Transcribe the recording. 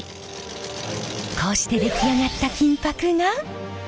こうして出来上がった金箔が。